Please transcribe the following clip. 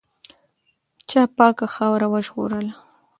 چا پاکه خاوره وژغورله؟